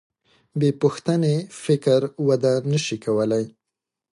بېپوښتنې فکر وده نهشي کولی.